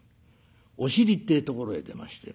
お尻ってえところへ出まして。